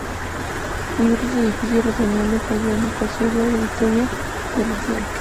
Diversos edificios reseñables rodean el Paseo Eduardo Victoria de Lecea.